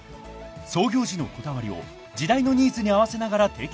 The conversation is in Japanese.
［創業時のこだわりを時代のニーズに合わせながら提供する］